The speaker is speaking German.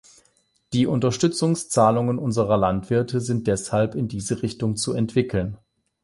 Die Unterstützungszahlungen unserer Landwirte sind deshalb in diese Richtung zu entwickeln.